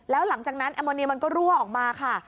แล้วหลังจากนั้นแอมโมเนียมันก็รั่วออกมาค่ะ